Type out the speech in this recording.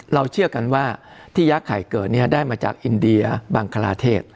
เชื่อกันว่าที่ยักษ์ไข่เกิดได้มาจากอินเดียบังคลาเทศ